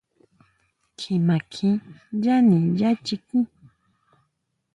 Kjima kjín yani yá chiquin.